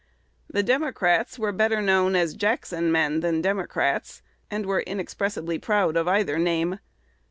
The Democrats were known better as Jackson men than as Democrats, and were inexpressibly proud of either name.